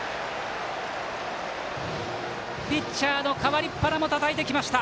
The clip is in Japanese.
ピッチャーの代わりっ端もたたいてきました。